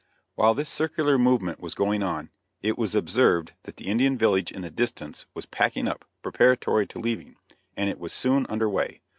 While this circular movement was going on, it was observed that the Indian village in the distance was packing up, preparatory to leaving, and it was soon under way.